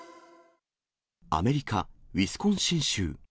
アメリカ・ウィスコンシン州。